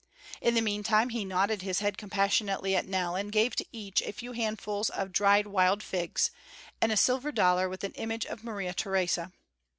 In the meantime he nodded his head compassionately at Nell and gave to each a few handfuls of dried wild figs and a silver dollar with an image of Maria Theresa.